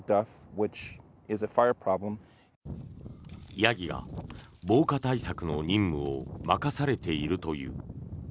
ヤギが防火対策の任務を任されているという。